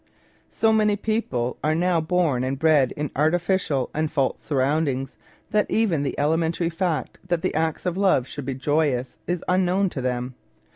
So many people are now born and bred in artificial and false surroundings, that even the elementary fact that the acts of love should be joyous is unknown to them.